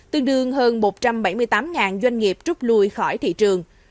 tương đương hơn một trăm bảy mươi tám doanh nghiệp trút lui khỏi thị trường